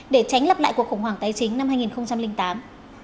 để tránh lập lại cuộc khủng hoảng tài chính năm hai nghìn tám